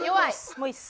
もういいです。